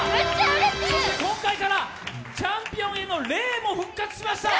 そして今回からチャンピオンへのレイも復活しました。